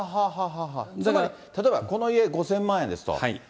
つまり例えばこの家、５０００万円ですと。